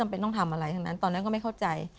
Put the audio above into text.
เป็นต้องทำอะไรทั้งนั้นตอนนั้นก็ไม่เข้าใจ